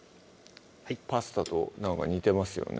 パスタとなんか似てますよね